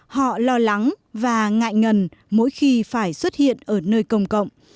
họ lo lắng và ngại ngần mỗi khi phải xuất hiện ở nơi công cộng